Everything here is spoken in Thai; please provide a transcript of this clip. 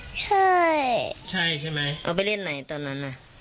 ใช่ใช่ใช่ไหมเอาไปเล่นไหนตอนนั้นน่ะ